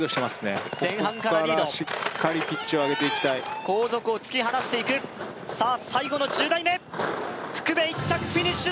ここからしっかりピッチを上げていきたい後続を突き放していくさあ最後の１０台目福部１着フィニッシュ